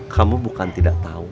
kamu bukan tidak tahu